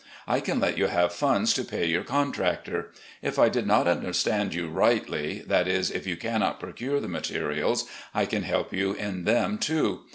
I can let you have funds to pay your contractor. If I did not understand you rightly — that is, if you cannot procure the materials, I can help you in them too.